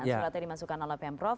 suratnya dimasukkan oleh pm prof